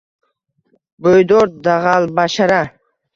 Bo`ydor, dag`albashara